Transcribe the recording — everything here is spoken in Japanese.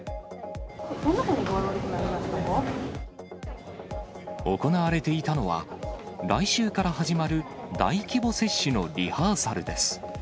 どんなふうに具合悪くなりま行われていたのは、来週から始まる大規模接種のリハーサルです。